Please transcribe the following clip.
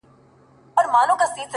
o څه ژوند كولو ته مي پريږده كنه ـ